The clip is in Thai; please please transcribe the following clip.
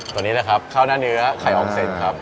ตัวนี้นะครับข้าวหน้าเนื้อไข่อองเซ็นครับ